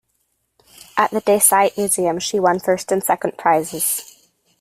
At the De Saisset Museum she won first and second prizes.